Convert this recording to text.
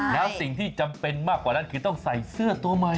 แล้วสิ่งที่จำเป็นมากกว่านั้นคือต้องใส่เสื้อตัวใหม่